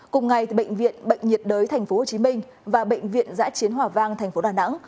cùng ngày bệnh viện bệnh nhiệt đới tp hcm và bệnh viện giã chiến hòa vang tp đà nẵng